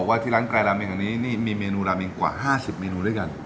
อันนี้มีเมนูราเมนกว่า๕๐เมนูด้วยกัน